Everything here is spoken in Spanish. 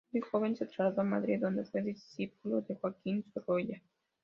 Muy joven se trasladó a Madrid, donde fue discípulo de Joaquín Sorolla.